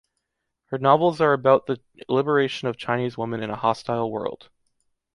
Her novels are about the liberation of Chinese women in a hostile world.